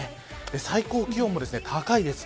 最高気温も高いです。